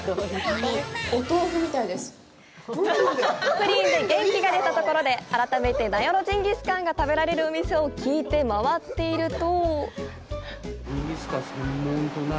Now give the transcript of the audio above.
プリンで元気が出たところで、改めて名寄ジンギスカンが食べられるお店を聞いて回っていると。